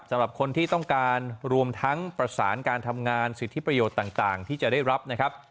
สำหรับคนที่ต้องการรวมทั้งประสานการทำงานสิทธิประโยชน์ต่างที่จะได้รับนะครับ